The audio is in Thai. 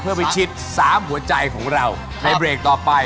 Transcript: เพื่อพิชิต๓หัวใจของเราในเบรกต่อไป